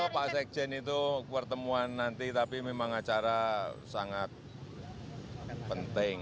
pak sekjen itu pertemuan nanti tapi memang acara sangat penting